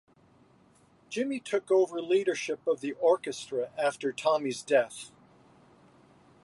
Jimmy took over leadership of the orchestra after Tommy's death.